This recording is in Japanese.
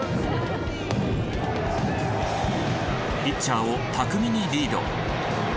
ピッチャーを巧みにリード。